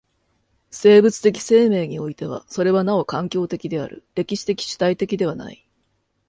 生物的生命においてはそれはなお環境的である、歴史的主体的ではない。